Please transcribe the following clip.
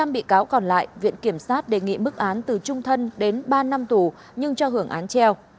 năm bị cáo còn lại viện kiểm sát đề nghị mức án từ trung thân đến ba năm tù nhưng cho hưởng án treo